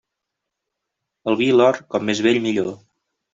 El vi i l'or, com més vell millor.